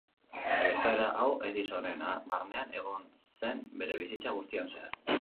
Gertaera hau Edisonen barnean egon zen bere bizitza guztian zehar.